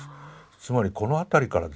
つまりこの辺りからですね